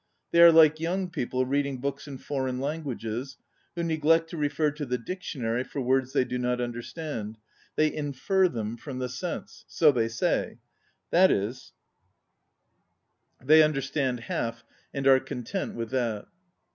They are like young people read ing books in foreign languages, who neglect to refer to the diction ary for words they do not under stand; they infer them from the sense, ŌĆö so they say; that is, they ├¢> ON READING understand half, and are content with that.